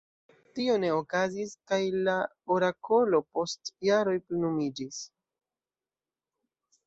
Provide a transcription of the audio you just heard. Tio ne okazis kaj la orakolo post jaroj plenumiĝis.